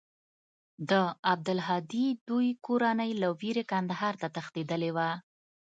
د عبدالهادي دوى کورنۍ له وېرې کندهار ته تښتېدلې وه.